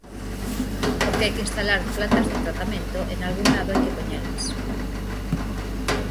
Porque hai que instalar plantas de tratamento e nalgún lado hai que poñelas.